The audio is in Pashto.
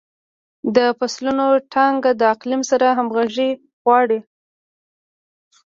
د فصلونو ټاکنه د اقلیم سره همغږي غواړي.